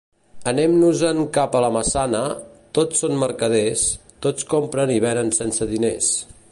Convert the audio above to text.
Anem-nos-en cap a la Massana, tots són mercaders, tots compren i venen sense diners.